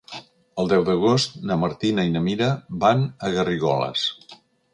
El deu d'agost na Martina i na Mira van a Garrigoles.